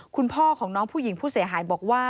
คุณพ่อของน้องผู้หญิงผู้เสียหายบอกว่า